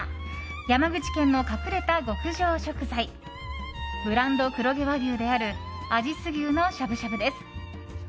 山口県の隠れた極上食材ブランド黒毛和牛である阿知須牛のしゃぶしゃぶです。